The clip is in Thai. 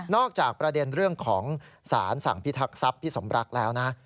จากประเด็นเรื่องของสารสั่งพิทักษัพพี่สมรักแล้วนะ